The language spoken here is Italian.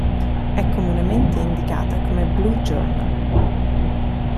È comunemente indicata come "Blue journal".